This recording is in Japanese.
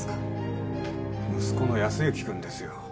息子の靖之くんですよ。